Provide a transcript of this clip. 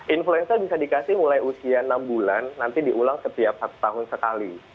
influenza bisa dikasih mulai usia enam bulan nanti diulang setiap satu tahun sekali